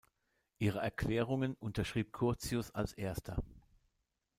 Ihre Erklärungen unterschrieb Curtius als erster.